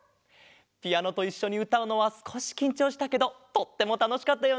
ピアノといっしょにうたうのはすこしきんちょうしたけどとってもたのしかったよね。